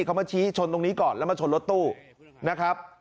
เขามาชี้ชนตรงนี้ก่อนแล้วมาชนรถตู้นะครับ